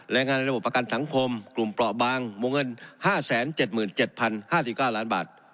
แรงงานในระบบประกันสังคมกลุ่มเปราะบางวงเงิน๕๗๗๐๕๙ล้านบาท